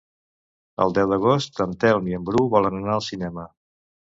El deu d'agost en Telm i en Bru volen anar al cinema.